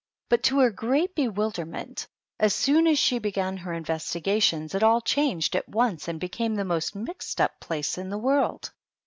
But to her great bewilderment, as soon as she began her investi gations it all changed at once and became the most mixed up place in the world.